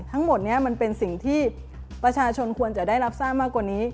ทั้งหมดนี้มันเป็นสิ่งที่ประชาชนควรจะได้รับทราบมากกว่านี้